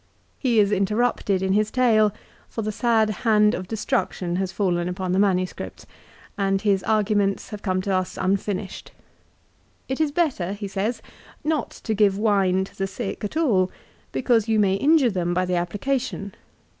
He is interrupted in his tale, for the sad hand of destruction has fallen upon the MS. and his arguments have come to us unfinished. "It is better," he says, "not to give wine to the sick at all, because you may injure them by the application.